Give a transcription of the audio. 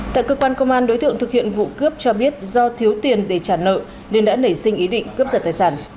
tại cơ quan công an đối tượng thực hiện vụ cướp cho biết do thiếu tiền để trả nợ nên đã nảy sinh ý định cướp giật tài sản